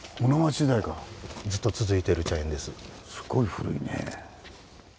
すごい古いね。